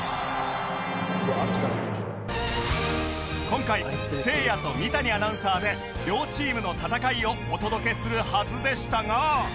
今回せいやと三谷アナウンサーで両チームの戦いをお届けするはずでしたが